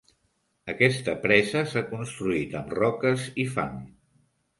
Aquesta presa s'ha construït amb roques i fang.